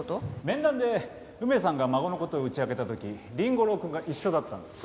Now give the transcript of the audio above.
面談で梅さんが孫の事を打ち明けた時凛吾郎くんが一緒だったんです。